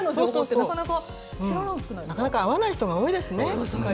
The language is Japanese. なかなか会わない人が多いですね。